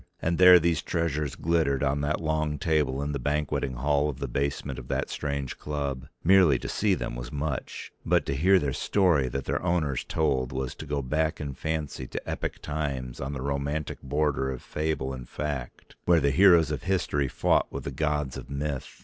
And there these treasures glittered on that long table in the banqueting hall of the basement of that strange club. Merely to see them was much, but to hear their story that their owners told was to go back in fancy to epic times on the romantic border of fable and fact, where the heroes of history fought with the gods of myth.